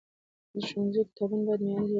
د ښوونځیو کتابونه باید معیاري ژبه ولري.